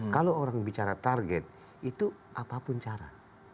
kalau orang bicara target itu apapun cara